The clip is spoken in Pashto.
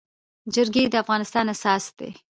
جرګي د افغانستان اساس دی.